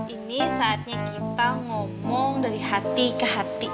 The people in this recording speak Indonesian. ini saatnya kita ngomong dari hati ke hati